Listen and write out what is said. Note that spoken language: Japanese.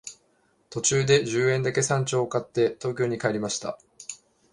途中で十円だけ山鳥を買って東京に帰りました